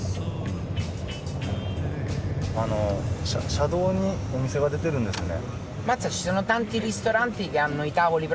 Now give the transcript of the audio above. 車道にお店が出てるんですね。